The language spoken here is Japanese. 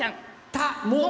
たも？